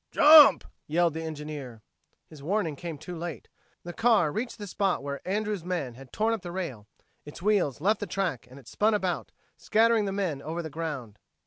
"Jump!" yelled the engineer. His warning came too late. The car reached the spot where Andrews' men had torn up the rail; its wheels left the track and it spun about, scattering the men over the ground.